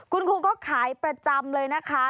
คุณครูก็ขายประจำเลยนะคะ